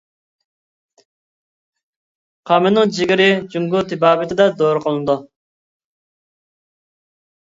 قامىنىڭ جىگىرى جۇڭگو تېبابىتىدە دورا قىلىنىدۇ.